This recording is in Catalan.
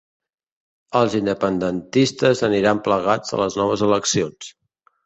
Els independentistes aniran plegats a les noves eleccions